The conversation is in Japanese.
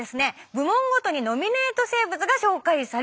部門ごとにノミネート生物が紹介されます。